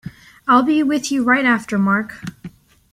I'll be with you right after Mark.